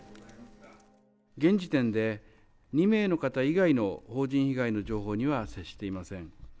現時点で、２名の方以外の邦人被害の情報には接していません。